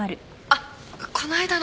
あっ。